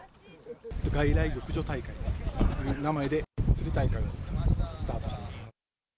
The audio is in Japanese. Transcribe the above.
外来魚駆除大会という名前で、釣り大会をスタートしました。